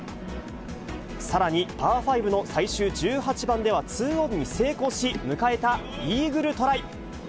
さらにパー５の最終１８番では、２オンに成功し、迎えたイーグルトライ。